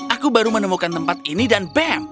aku baru menemukan tempat ini dan bem